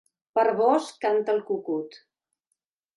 Per vós canta el cucut.